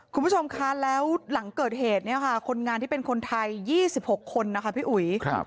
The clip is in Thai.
คุณผู้ชมคะแล้วหลังเกิดเหตุเนี่ยค่ะคนงานที่เป็นคนไทย๒๖คนนะคะพี่อุ๋ย